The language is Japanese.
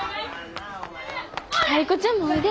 タイ子ちゃんもおいで。